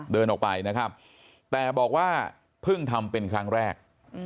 เดินออกไปนะครับแต่บอกว่าเพิ่งทำเป็นครั้งแรก